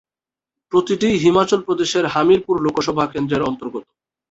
প্রতিটিই হিমাচল প্রদেশের হামিরপুর লোকসভা কেন্দ্রের অন্তর্গত।